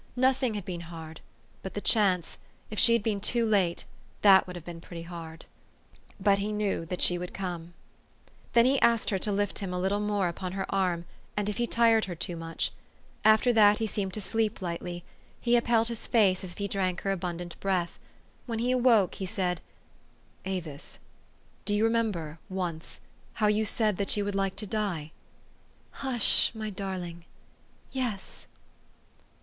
Nothing had been hard but the chance if she had been too late, that would have been pretty hard. But he knew that she would come. Then he asked her to lift him a little more upon her arm, and if he tired her too much. After that he seemed to sleep lightly : he upheld his face as if he drank her abundant breath. When he awoke, he said, " Avis, do you remember once how you said that you would like to die ?''" Hush, my darling ! yes."